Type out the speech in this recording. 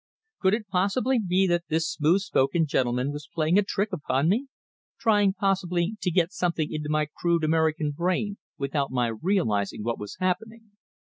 Could it possibly be that this smooth spoken gentleman was playing a trick upon me trying, possibly, to get something into my crude American mind without my realizing what was happening?